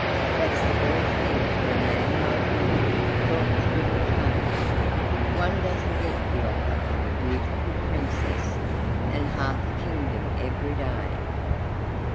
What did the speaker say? "That's the very thing for a man like me," thought the little tailor; "one doesn't get the offer of a beautiful princess and half a kingdom every day."